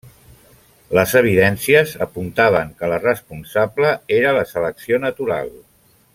Les evidències apuntaven que la responsable era la selecció natural.